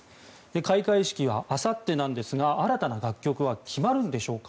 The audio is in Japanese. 開会式はあさってなんですが新たな楽曲は決まるんでしょうか。